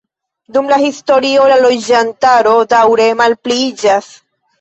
Dum la historio la loĝantaro daŭre malpliiĝas.